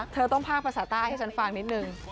เธอต้องภาคภาษาใต้ให้ฉันฟังนิดนึง